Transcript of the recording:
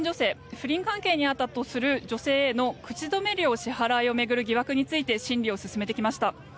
不倫関係にあったとする女性への口止め料支払い巡る疑惑について審理を進めてきました。